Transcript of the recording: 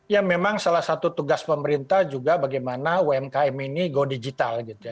ya memang salah satu tugas pemerintah juga bagaimana umkm ini go digital gitu ya